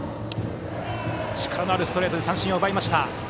力のあるストレートで三振を奪いました。